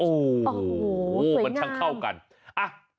โอ้โหมันทั้งเข้ากันโอ้โหสวยงาม